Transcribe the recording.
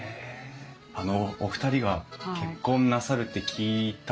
あのお二人が結婚なさるって聞いたのは？